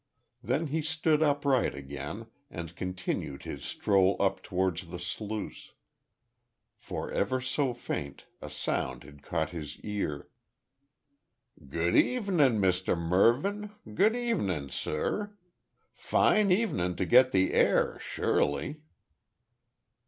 Then he stood upright again, and continued his stroll up towards the sluice. For ever so faint a sound had caught his ear. "Good evenin' Mr Mervyn, good evenin' sur. Fine evenin' to get the air, sure ly."